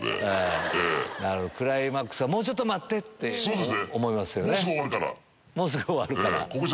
クライマックスはもうちょっと待って！って思いますよね。